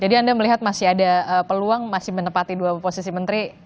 jadi anda melihat masih ada peluang masih menempati dua posisi menteri